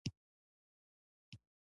زغال د افغانستان د فرهنګي فستیوالونو برخه ده.